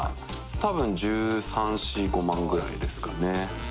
たぶん１３１４１５万ぐらいですかね。